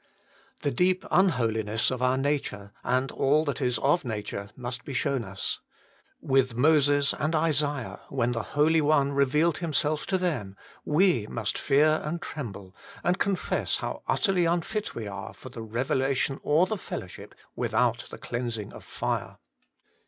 The deep unholiness of our nature and all that is of nature must be shown us ; with Moses and Isaiah, when the Holy One revealed Himself to them, we must fear and tremble, and confess how utterly unfit we are for the revelation or the fellow ship, without the cleansing of fire.